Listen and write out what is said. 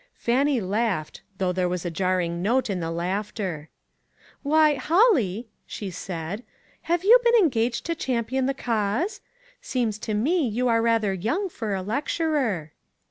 Fannie laughed, though there was a jar ring note in the laughter. " Why, Holly," she said, " have you been engaged to champion the cause ? Seems to me you are rather young for a lecturer."